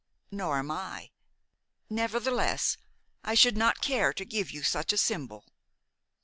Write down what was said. "Nor am I. Nevertheless, I should not care to give you such a symbol."